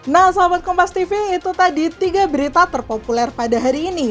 nah selamat kompas tv itu tadi tiga berita terpopuler pada hari ini